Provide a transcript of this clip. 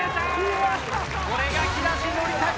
これが木梨憲武！